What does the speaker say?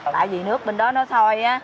tại vì nước bên đó nó sôi